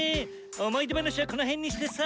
思い出話はこの辺にしてさ。